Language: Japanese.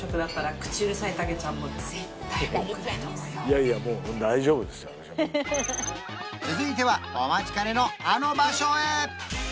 いやいやもう続いてはお待ちかねのあの場所へ！